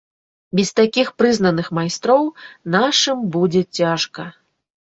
Без такіх прызнаных майстроў нашым будзе цяжка.